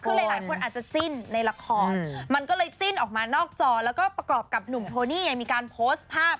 คือหลายคนอาจจะจิ้นในละครมันก็เลยจิ้นออกมานอกจอแล้วก็ประกอบกับหนุ่มโทนี่ยังมีการโพสต์ภาพ